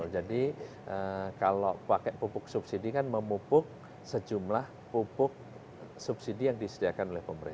jadi kalau pakai pupuk subsidi kan memupuk sejumlah pupuk subsidi yang disediakan